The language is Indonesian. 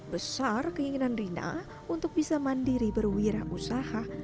besar keinginan rina untuk bisa mandiri berwirausaha